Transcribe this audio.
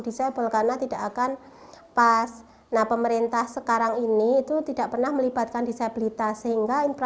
fitri berharap teman temannya sesama penyandang disabilitas netra